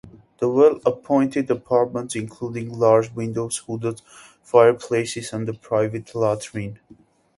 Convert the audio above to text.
The well-appointed apartments included large windows, hooded fireplaces, and a private latrine.